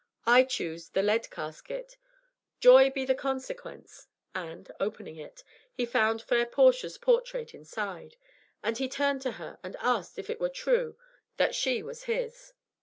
I choose the lead casket; joy be the consequence!" And opening it, he found fair Portia's portrait inside, and he turned to her and asked if it were true that she was his.